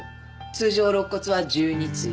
通常肋骨は１２対。